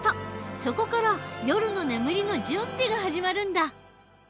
そこから夜の眠りの準備が始まるんだ。